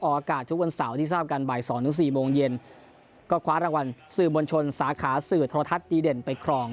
อากาศทุกวันเสาร์ที่ทราบกันบ่ายสองถึงสี่โมงเย็นก็คว้ารางวัลสื่อมวลชนสาขาสื่อโทรทัศน์ดีเด่นไปครอง